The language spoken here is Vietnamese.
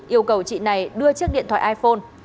yêu cầu chị này đưa chiếc điện thoại iphone